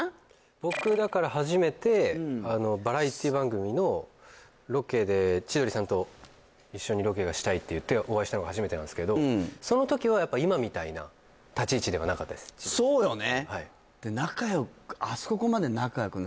僕だから初めてバラエティ番組のロケで千鳥さんと一緒にロケがしたいって言ってお会いしたのが初めてなんですけどその時はやっぱ今みたいな立ち位置ではなかったですそうよね